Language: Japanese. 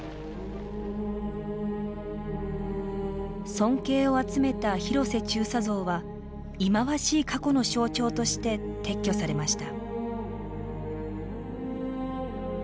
尊敬を集めた広瀬中佐像は忌まわしい過去の象徴として撤去されました。